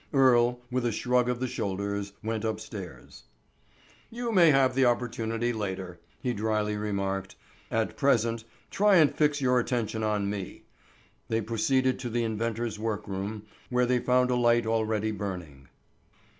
Earle, with a shrug of the shoulders, went upstairs. "You may have the opportunity later," he dryly remarked; "at present, try and fix your attention on me." They proceeded to the inventor's workroom, where they found a light already burning.